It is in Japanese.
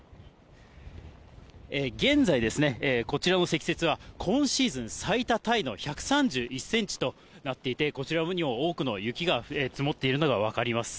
現在ですね、こちらの積雪は今シーズン最多タイの１３１センチとなっていて、こちらのように多くの雪が積もっているのが分かります。